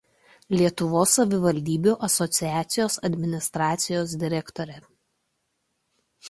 Lietuvos savivaldybių asociacijos administracijos direktorė.